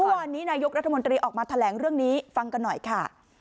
เมื่อวานนี้นายกรัฐมนตรีออกมาแถลงเรื่องนี้ฟังกันหน่อยค่ะ